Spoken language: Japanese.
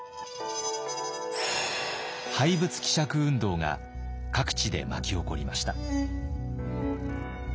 廃仏毀釈運動が各地で巻き起こりました。